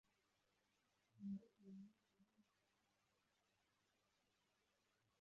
Umugabo n'umugore bageze mu zabukuru